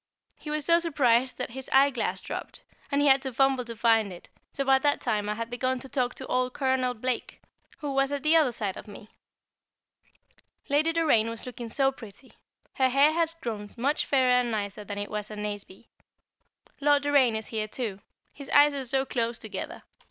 He was so surprised that his eyeglass dropped, and he had to fumble to find it, so by that time I had begun to talk to old Colonel Blake, who was at the other side of me. [Sidenote: The Game of Bridge] Lady Doraine was looking so pretty; her hair has grown much fairer and nicer than it was at Nazeby. Lord Doraine is here too; his eyes are so close together!